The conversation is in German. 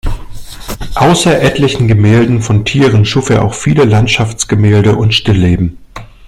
Außer etlichen Gemälden von Tieren schuf er auch viele Landschaftsgemälde und Stillleben.